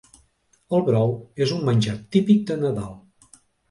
El brou és un menjar típic de Nadal.